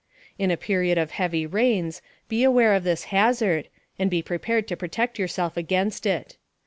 In a period of heavy rains, be aware of this hazard and be prepared to protect yourself against it.